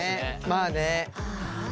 まあね。